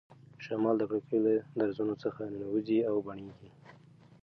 شمال د کړکۍ له درزونو څخه ننوځي او بڼیږي.